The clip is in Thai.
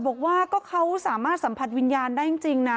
บอกว่าก็เขาสามารถสัมภาษณ์วิญญาณได้จริงจริงนะ